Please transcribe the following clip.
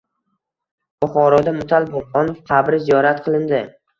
Buxoroda Mutal Burhonov qabri ziyorat qilindi